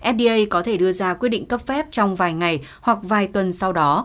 fda có thể đưa ra quyết định cấp phép trong vài ngày hoặc vài tuần sau đó